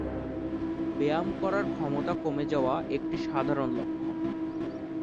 ব্যায়াম করার ক্ষমতা কমে যাওয়া একটি সাধারণ লক্ষণ।